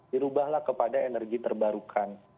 dirubahlah kepada energi terbarukan